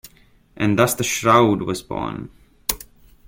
And thus the "Shroud" was born.